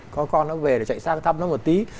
có con nó về để chạy sang thăm nó một tí